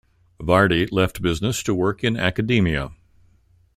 Vardy left business to work in academia.